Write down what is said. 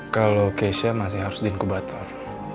kalau keisha masih harus di inkubator